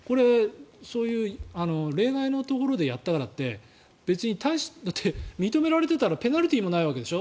例外のところでやったからってだって認められていたらペナルティーもないわけでしょ？